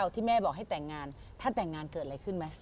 ที่แม่บอกให้แต่งงานถ้าแต่งงานเกิดอะไรขึ้นไหม